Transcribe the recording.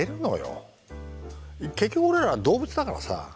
結局俺らは動物だからさ。